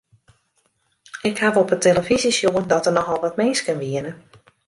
Ik haw op 'e telefyzje sjoen dat der nochal wat minsken wiene.